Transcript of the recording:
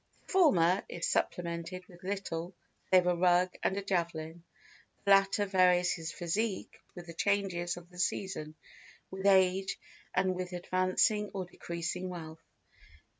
The former is supplemented with little save a rug and a javelin; the latter varies his physique with the changes of the season, with age, and with advancing or decreasing wealth.